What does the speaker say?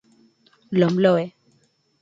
Lomloe